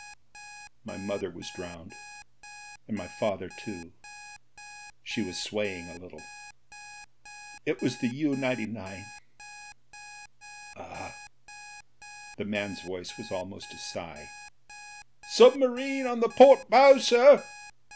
"My mother was drowned, and my father too." She was swaying a little. "It was the U 99." "Ah !" The man's voice was almost a sigh. "Submarine on the port bow, sir."